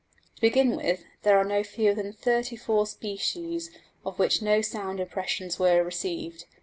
To begin with, there are no fewer than 34 species of which no sound impressions were received.